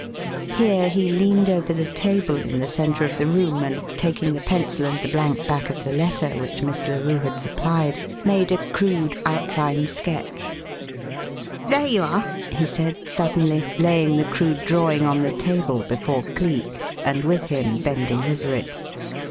Here he leaned over the table in the centre of the room and, taking the pencil and the blank back of the letter which Miss Larue had supplied, made a crude outline sketch thus: [Illustration of a group of houses] "There you are," he said suddenly, laying the crude drawing on the table before Cleek, and with him bending over it.